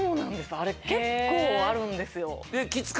あれ結構あるんですよ。